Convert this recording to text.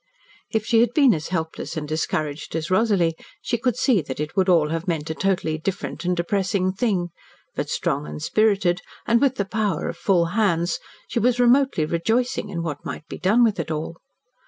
If she had been as helpless and discouraged as Rosalie she could see that it would all have meant a totally different and depressing thing, but, strong and spirited, and with the power of full hands, she was remotely rejoicing in what might be done with it all.